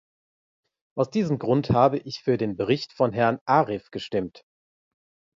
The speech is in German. Aus diesem Grund habe ich für den Bericht von Herrn Arif gestimmt.